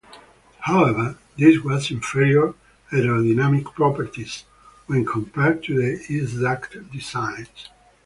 However, this has inferior aerodynamic properties when compared to the S-duct designs.